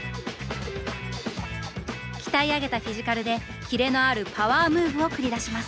鍛え上げたフィジカルでキレのあるパワームーブを繰り出します。